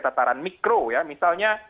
tataran mikro ya misalnya